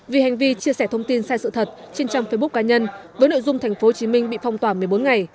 vì hành vi chia sẻ thông tin sai sự thật trên trang facebook cá nhân với nội dung tp hcm bị phong tỏa một mươi bốn ngày